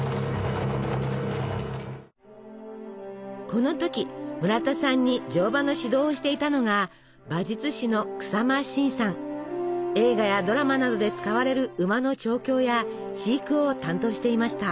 この時村田さんに乗馬の指導をしていたのが映画やドラマなどで使われる馬の調教や飼育を担当していました。